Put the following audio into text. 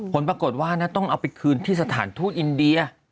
ผลปรากฏว่าต้องเอาไปคืนที่สถานทูตอินเดีย